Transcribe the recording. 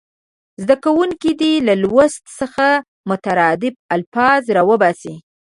زده کوونکي دې له لوست څخه مترادف الفاظ راوباسي.